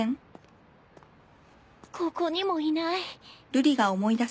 ここにもいない。